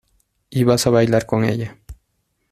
y vas a bailar con ella.